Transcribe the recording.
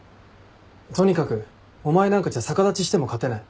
とにかくお前なんかじゃ逆立ちしても勝てない。